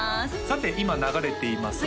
さて今流れています